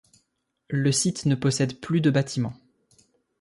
Le site ne possède plus de bâtiments.